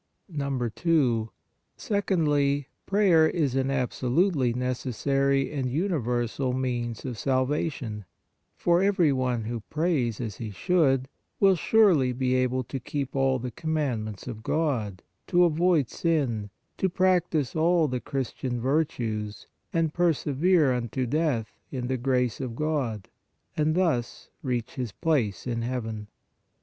Secondly, PRAYER is AN ABSOLUTELY NECES SARY AND UNIVERSAL MEANS OF SALVATION, for every one who prays as he should, will surely be able to keep all the commandments of God, to avoid sin, to practise all the Christian virtues and persevere unto death in the grace of God and thus reach his place in Heaven.